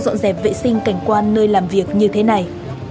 dọn dẹp vệ sinh cảnh quan nơi làm việc như thế này